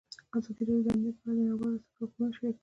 ازادي راډیو د امنیت په اړه د نړیوالو رسنیو راپورونه شریک کړي.